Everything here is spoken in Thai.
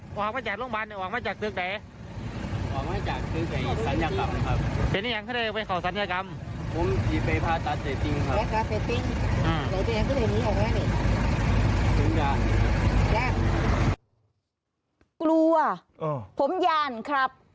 กลัวผมย่านครับ